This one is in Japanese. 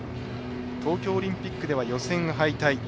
東京オリンピックでは、予選敗退。